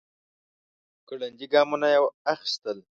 ګړندي ګامونه يې اخيستل.